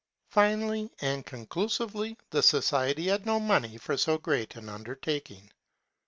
Finally and conclusively the society had no money for so great an undertaking.